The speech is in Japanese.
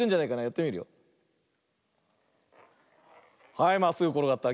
はいまっすぐころがった。